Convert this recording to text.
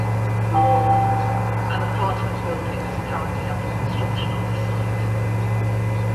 An apartment building is currently under construction on the site.